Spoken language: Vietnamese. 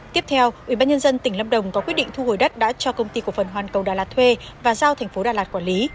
tiếp theo ubnd tỉnh lâm đồng có quyết định thu hồi đất đã cho công ty cổ phần hoàn cầu đà lạt thuê và giao thành phố đà lạt quản lý